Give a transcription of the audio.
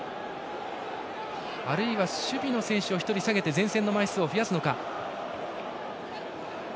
あるいは守備の選手を一人下げて前線の枚数を増やすのか。